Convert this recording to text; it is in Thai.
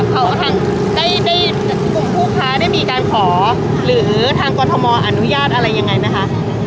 เขาทางได้กลุ่มผู้ค้าได้มีการขอหรือทางกรทมอนุญาตอะไรยังไงไหมคะ